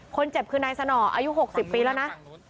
คนเจ็บคือนายสนออายุ๖๐ปีแล้วนะ